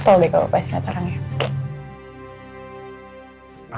kesel deh kalau pasnya tarang ya